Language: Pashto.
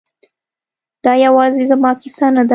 دا یوازې زما کیسه نه ده